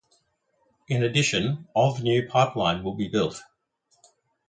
In addition, of new pipeline will be built.